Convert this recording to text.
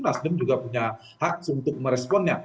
nasdem juga punya hak untuk meresponnya